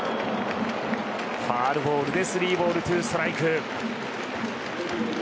ファウルボールで３ボール２ストライク。